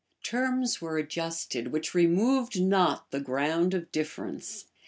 Terms were adjusted, which removed not the ground of difference.